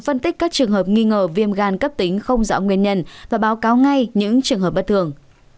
phân tích các trường hợp nghi ngờ viêm gan cấp tính không rõ nguyên nhân và báo cáo ngay những trường hợp bất thường